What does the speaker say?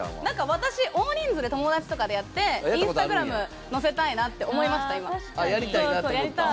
私、大人数友達とかでやってインスタグラム載せたいなって思いました。